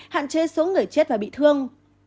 hạn chế số người chết và bị thương